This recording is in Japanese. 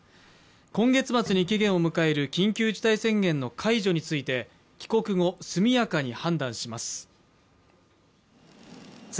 今月末に期限を迎える緊急事態宣言の解除について、帰国後、速やかに判断します。